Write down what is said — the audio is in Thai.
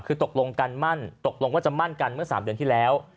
คือตกลงกันมั่นตกลงว่าจะมั่นกันเมื่อ๓เดือนที่แล้ว